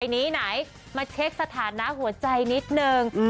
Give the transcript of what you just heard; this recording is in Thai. นี้ไหนมาเช็คสถานะหัวใจนิดนึง